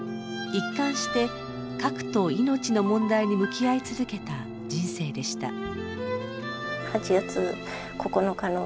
一貫して核と命の問題に向き合い続けた人生でした。